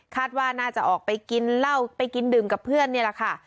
ว่าน่าจะออกไปกินเหล้าไปกินดื่มกับเพื่อนนี่แหละค่ะ